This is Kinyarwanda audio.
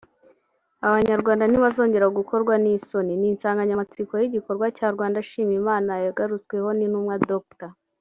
“Abanyarwanda ntibazongera gukorwa n’isoni” ni insanganyamatsiko y’igikorwa cya Rwanda Shima Imana yagarutsweho n’Intumwa Dr